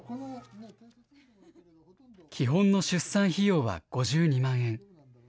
基本の出産費用は５２万円。